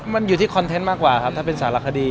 มันอยู่ที่คอนเทนต์มากกว่าครับถ้าเป็นสารคดี